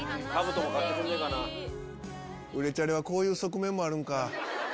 売れチャレはこういう側面もあるのか。